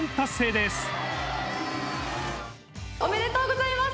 おめでとうございます。